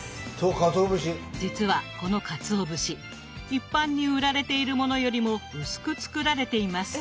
実はこのかつお節一般に売られているものよりも薄く作られています。